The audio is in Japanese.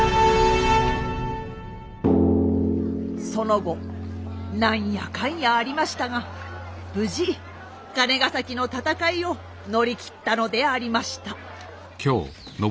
その後何やかんやありましたが無事金ヶ崎の戦いを乗り切ったのでありました。